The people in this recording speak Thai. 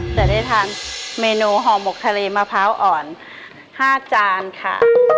จะได้ทานเมนูห่อหมกทะเลมะพร้าวอ่อน๕จานค่ะ